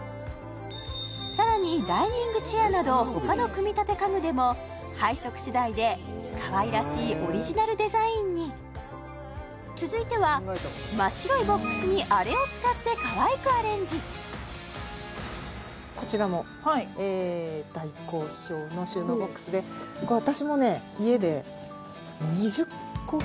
更にダイニングチェアなど他の組み立て家具でも配色次第で可愛らしいオリジナルデザインに続いては真っ白いボックスにあれを使って可愛くアレンジこちらも大好評の収納ボックスでこれはいこれを？